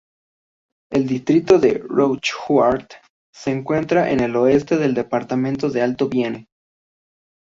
El distrito de Rochechouart se encuentra en el oeste del departamento de Alto Vienne.